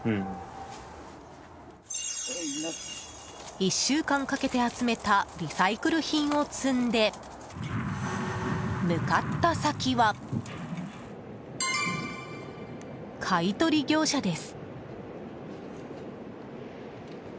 １週間かけて集めたリサイクル品を積んで向かった先は、買い取り業者です。